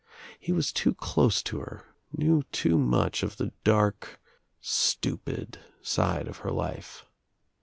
He was too close to her, knew too much of the dark, stupid side of her life.